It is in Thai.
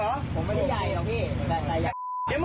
ผมไม่ได้ใหญ่หรอกพี่